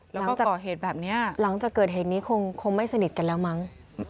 แล้วก็จะก่อเหตุแบบนี้หลังจากเกิดเหตุนี้คงไม่สนิทกันแล้วมั้ง